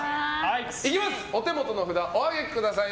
お手元の札お上げください。